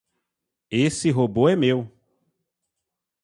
Esse robô é meu.